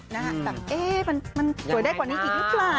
แบบเอ๊ะมันสวยได้กว่านี้อีกหรือเปล่า